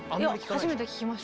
いや初めて聞きました。